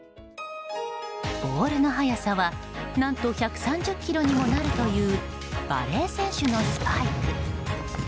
ボールの速さは何と１３０キロにもなるというバレー選手のスパイク。